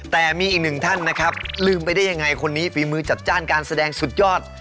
แต่มีอีกหนึ่งท่านนะครับลืมไปได้ยังไงคนนี้ฝีมือจัดจ้านการแสดงสุดยอด